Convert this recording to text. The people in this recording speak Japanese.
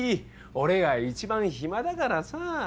俺が一番暇だからさ。